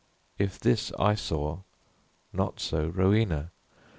If this I saw not so Rowena.